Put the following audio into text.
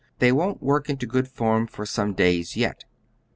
They won't work into good form for some days yet.